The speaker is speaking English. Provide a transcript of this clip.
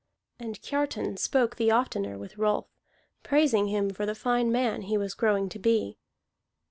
And Kiartan spoke the oftener with Rolf, praising him for the fine man he was growing to be.